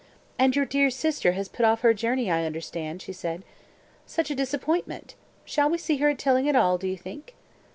"And your dear sister has put off her journey, I understand," she said. "Such a disappointment! Shall we see her at Tilling at all, do you think?"